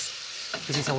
藤井さん